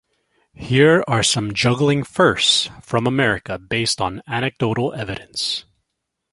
Here are some juggling "firsts" from America, based on anecdotal evidence.